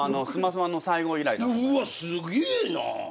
うわっすげえな！